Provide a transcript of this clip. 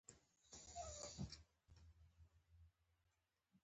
د راشن لپاره اړ شوې وه.